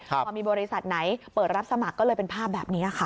พอมีบริษัทไหนเปิดรับสมัครก็เลยเป็นภาพแบบนี้ค่ะ